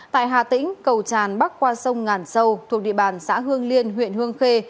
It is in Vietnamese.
tại hà tĩnh cầu tràn bắc qua sông ngàn sâu thuộc địa bàn xã hương liên huyện hương khê